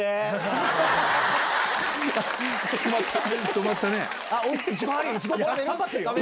止まったね。